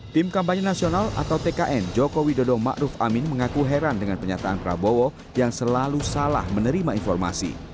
tim kampanye nasional atau tkn joko widodo ⁇ maruf ⁇ amin mengaku heran dengan penyataan prabowo yang selalu salah menerima informasi